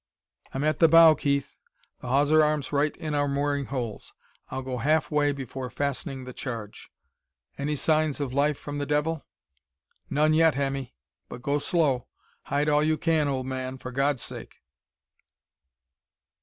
"I'm at the bow, Keith! The hawser arm's right in our mooring holes. I'll go halfway before fastening the charge. Any signs of life from the devil?" "None yet, Hemmy. But go slow. Hide all you can, old man, for God's sake!..."